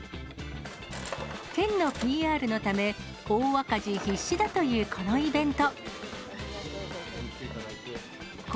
県のＰＲのため、大赤字必至だというこのイベント。